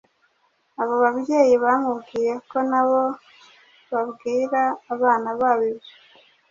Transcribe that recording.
Abo babyeyi bamubwiye ko na bo babwira abana babo ibyo